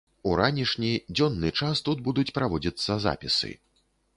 У ранішні, дзённы час тут будуць праводзіцца запісы.